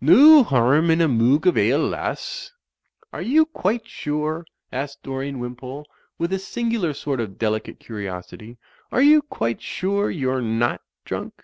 No harm in a moog of ale, lass/' "Are you quite sure," asked Dorian Wimpole, with a singular sort of delicate curiosity, "are you quite sure you're not drunk."